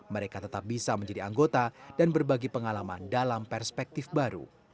mereka tetap bisa menjadi anggota dan berbagi pengalaman dalam perspektif baru